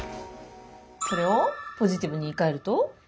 これをポジティブに言いかえると？